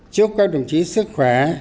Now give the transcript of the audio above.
chúc các đồng chí sức khỏe